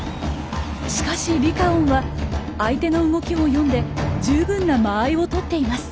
しかしリカオンは相手の動きを読んで十分な間合いをとっています。